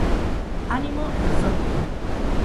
Animo eta zorte on!